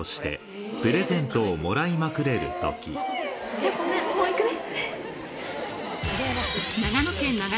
じゃあごめんもう行くね！